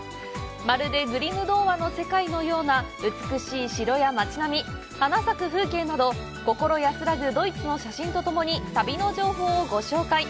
まるでグリム童話の世界のような美しい城や街並み、花咲く風景など、心安らぐドイツの写真とともに旅の情報をご紹介。